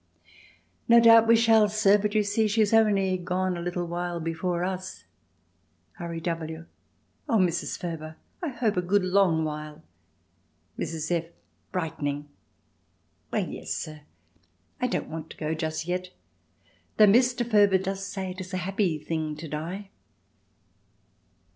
"No doubt we shall, sir; but you see she is only gone a little while before us." R. E. W. "Oh, Mrs. Furber, I hope a good long while." Mrs. F. (brightening). "Well, yes sir, I don't want to go just yet, though Mr. Furber does say it is a happy thing to die."